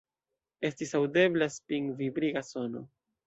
Estis aŭdebla spinvibriga sono.